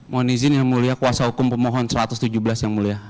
mohon izin yang mulia kuasa hukum pemohon satu ratus tujuh belas yang mulia